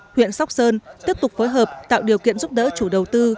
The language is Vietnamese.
huyện sóc sơn tiếp tục phối hợp tạo điều kiện giúp đỡ chủ đầu tư